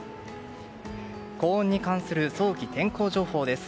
高温に関する早期天候情報です。